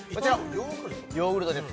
ヨーグルトです